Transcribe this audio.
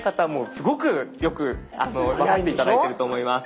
すごくよく分かって頂いてると思います。